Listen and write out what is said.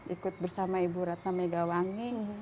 ikut bersama ibu ratna megawangi